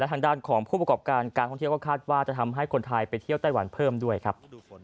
ทางด้านของผู้ประกอบการการท่องเที่ยวก็คาดว่าจะทำให้คนไทยไปเที่ยวไต้หวันเพิ่มด้วยครับ